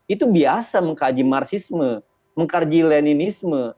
itu biasa mengkaji marsisme mengkaji leninisme